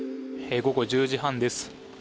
午後１０時半です。